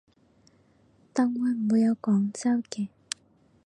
等會唔會有廣州嘅